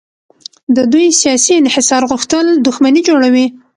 د دوی سیاسي انحصار غوښتل دښمني جوړوي.